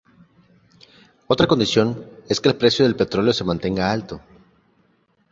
Otra condición es que el precio del petróleo se mantenga alto.